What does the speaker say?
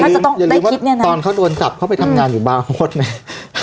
อย่าลืมว่าตอนเขาโดนจับเขาไปทำงานอยู่บาร์โค้ดไหม